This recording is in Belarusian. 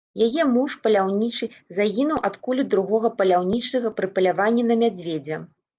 Яе муж, паляўнічы, загінуў ад кулі другога паляўнічага пры паляванні на мядзведзя.